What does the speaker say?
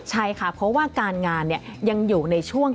ใช่ค่ะเพราะว่าการงานยังอยู่ในช่วง